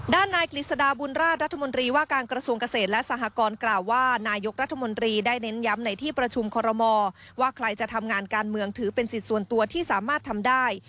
ด้านนายกฤษฎาบุญราชรัฐมนตรีว่าการกระทรวงเกษตรและสหกรกล่าวว่านายกรัฐมนตรีได้เน้นย้ำในที่ประชุมคอรมอว่าใครจะทำงานการเมืองถือเป็นสิทธิ์ส่วนตัวที่สามารถทำได้